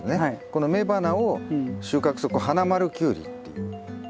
この雌花を収穫すると花丸キュウリっていう。